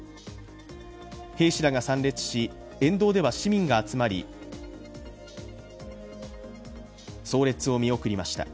兵士らが参列し、沿道では市民が集まり葬列を見送りました。